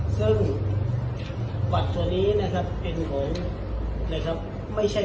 ซึ่งปัสตรวนี้ไม่ใช่บริษัทมี